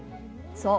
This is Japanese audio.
そう。